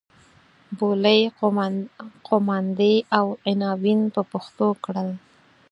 بولۍ قوماندې او عناوین په پښتو کړل.